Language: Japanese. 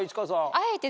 あえて。